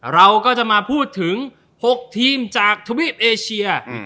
เราก็จะมาพูดถึง๖ทีมจากทวีปเอเชีย